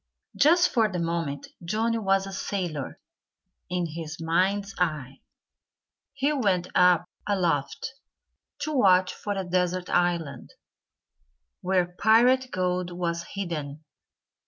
Just for the moment Johnnie was a sailor in his mind's eye. He went up aloft to watch for a desert island, where pirate gold was hidden.